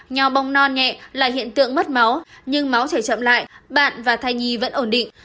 nho bông non nhẹ là hiện tượng mất máu nhưng máu thể chậm lại bạn và thai nhi vẫn ổn định